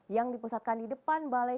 yang dipusatkan di depan balai